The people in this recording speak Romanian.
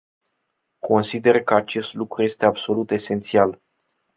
Consider că acest lucru este absolut esențial.